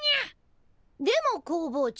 でも工房長。